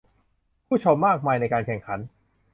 ผู้ชมมากมายในการแข่งขัน